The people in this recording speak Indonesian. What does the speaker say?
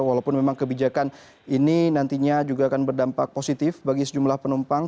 walaupun memang kebijakan ini nantinya juga akan berdampak positif bagi sejumlah penumpang